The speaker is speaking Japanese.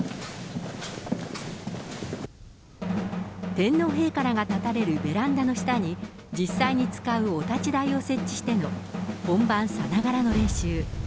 天皇陛下らが立たれるベランダの下に、実際に使うお立ち台を設置しての、本番さながらの練習。